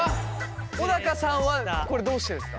小高さんはこれどうしてですか？